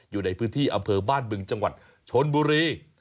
อยู่ในพื้นที่อำเภอบ้านบึงจังหวัดชนบุรี